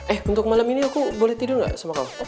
eh untuk malam ini aku boleh tidur gak sama kamu